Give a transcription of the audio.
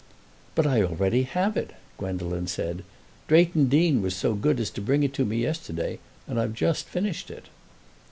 "But I already have it," Gwendolen said. "Drayton Deane was so good as to bring it to me yesterday, and I've just finished it."